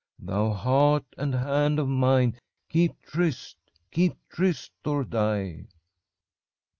Thou heart and hand of mine, keep tryst Keep tryst or die!'